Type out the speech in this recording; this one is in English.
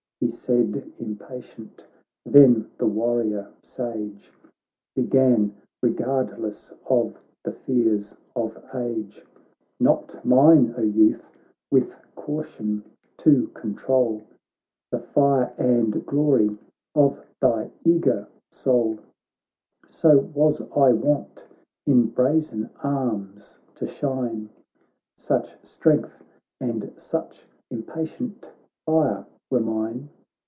He said impatient ; then the warriorsage Began, regardless of the fears of age :' Not mine, O youth, with caution to control The fire and glory of thy eager soul ; So was I wont in brazen arms to shine. Such strength and such impatient fire were mine.'